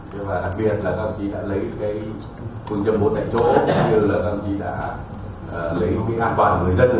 nhưng mà đặc biệt là đồng chí đã lấy cái phương châm mốt tại chỗ như là đồng chí đã lấy cái an toàn người dân ở số một